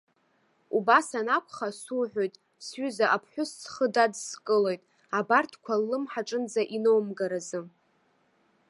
Убас анакәха, суҳәоит, сҩыза аԥҳәыс схы дадскылоит, абарҭқәа ллымҳаҿынӡа иноумгаразы.